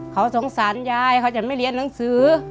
เขาสงสารยายเขาจะไม่เรียนหนังสือ